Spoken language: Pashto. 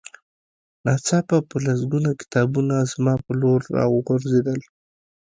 ناڅاپه په لسګونه کتابونه زما په لور را وغورځېدل